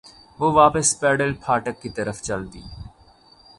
وہ واپس پیدل پھاٹک کی طرف چل دی۔